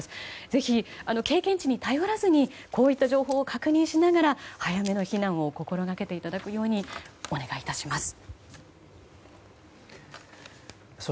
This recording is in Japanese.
ぜひ、経験値に頼らずにこういった情報を確認しながら早めの避難を心がけていただくようにお願いいたします。